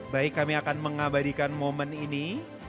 baik kami akan mengabadikan momen ini